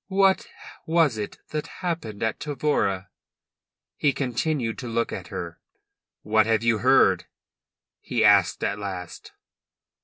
"What was it that happened at Tavora?" He continued to look at her. "What have you heard?" he asked at last.